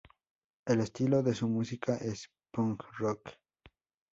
El estilo de su música es punk-rock.